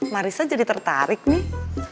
marissa jadi tertarik nih